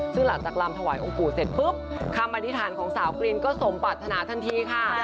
ซึ่งหลังจากลำถวายองค์ปู่เสร็จปุ๊บคำอธิษฐานของสาวกรีนก็สมปรัฐนาทันทีค่ะ